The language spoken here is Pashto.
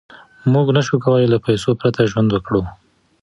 موږ نشو کولای له پیسو پرته ژوند وکړو.